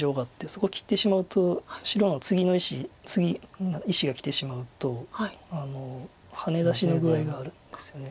そこ切ってしまうと白のツギの石ツギの石がきてしまうとハネ出しの具合があるんですよね。